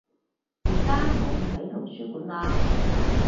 而家我唔喺圖書館嘞